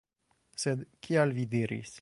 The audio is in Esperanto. Sed kial vi diris?